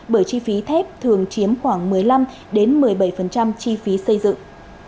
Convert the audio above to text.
bởi chi phí thép thường chiếm khoảng một mươi năm một mươi bảy chi phí xây dựng